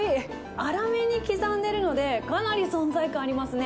粗めに刻んでるので、かなり存在感ありますね。